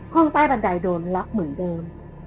ห้องใต้บันไดโดนล็อกเหมือนเดิม